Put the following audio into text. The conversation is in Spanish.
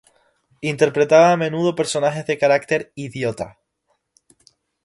Interpretaba a menudo personajes de carácter "idiota".